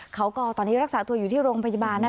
เขาก็ตอนนี้รักษาตัวอยู่ที่โรงพยาบาล